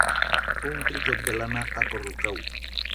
Un tricot de lana acorrucau.